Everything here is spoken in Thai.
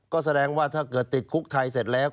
ก็แสดงว่าถ้าเกิดติดคุกไทยเสร็จแล้ว